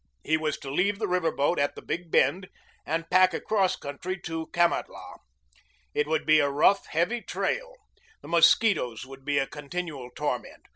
He was to leave the river boat at the big bend and pack across country to Kamatlah. It would be a rough, heavy trail. The mosquitoes would be a continual torment.